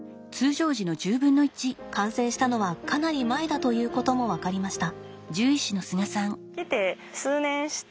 感染したのはかなり前だということも分かりました。